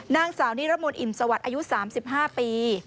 นางสาวนิรมนต์อิ่มสวัสดิ์อายุ๓๕ปี